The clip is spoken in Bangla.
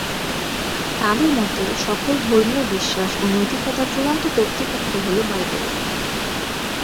তাঁদের মতে সকল ধর্মীয় বিশ্বাস ও নৈতিকতার চূড়ান্ত কর্তৃপক্ষ হল বাইবেল।